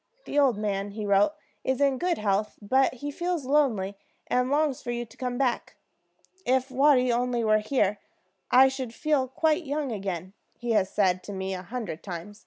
"The old man," he wrote, "is in good health, but he feels lonely, and longs for you to come back. 'If Watty only were here, I should feel quite young again,' he has said to me a hundred times.